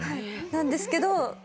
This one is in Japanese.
なんですけど。